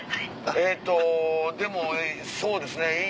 えっとでもそうですね。